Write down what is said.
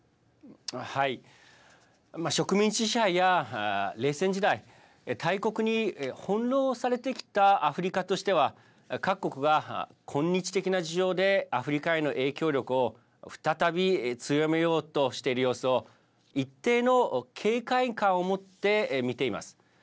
植民地支配や冷戦時代大国に翻弄されてきたアフリカとしては各国が今日的な事情でアフリカへの影響力を再び強めようとしている様子を一定の警戒感をもって見ています。